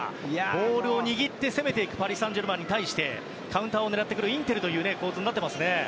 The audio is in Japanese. ボールを握って攻めていくパリ・サンジェルマンに対しカウンターを狙ってくるインテルという構図ですね。